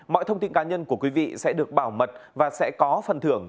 mọi thông tin cá nhân của quý vị sẽ được bảo mật và sẽ có phần thưởng